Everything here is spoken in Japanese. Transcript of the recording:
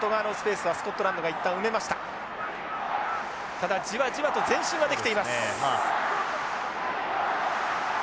ただじわじわと前進はできています。